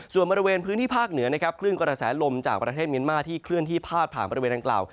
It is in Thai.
ส่วนบริเวณพื้นที่ภาคเหนือนะครับคลื่นกระแสลมจากประเทศเมียนมาที่เคลื่อนที่พาดผ่านบริเวณดังกล่าว